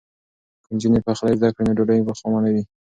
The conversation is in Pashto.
که نجونې پخلی زده کړي نو ډوډۍ به خامه نه وي.